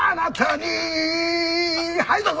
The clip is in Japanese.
はいどうぞ！